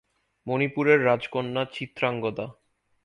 মণিপুরের রাজকন্যা চিত্রাঙ্গদা।